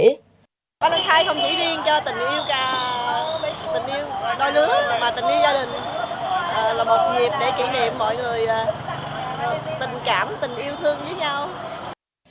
valentine không chỉ riêng cho tình yêu đôi đứa mà tình yêu gia đình là một dịp để kỷ niệm mọi người tình cảm tình yêu thương với nhau